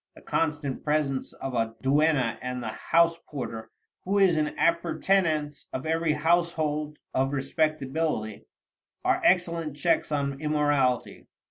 The constant presence of a duenna, and the house porter, who is an appurtenance of every household of respectability, are excellent checks on immorality.